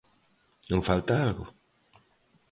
Non falta algo?